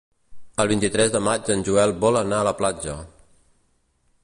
El vint-i-tres de maig en Joel vol anar a la platja.